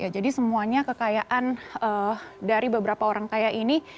jadi semuanya kekayaan dari beberapa orang kaya ini